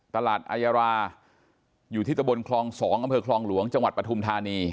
อายาราอยู่ที่ตะบนคลอง๒อำเภอคลองหลวงจังหวัดปฐุมธานี